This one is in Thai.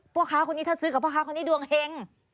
พวกค้าคนนี้เธอซื้อกับพวกค้าคนนี้ดวงห่ง